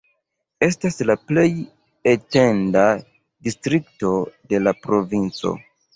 Estas la plej etenda distrikto de la provinco.